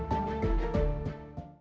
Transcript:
terima kasih pak